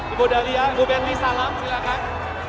ibu dalia ibu petri salam silahkan